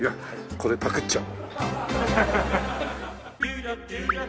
これパクっちゃおう。